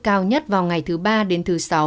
cao nhất vào ngày thứ ba đến thứ sáu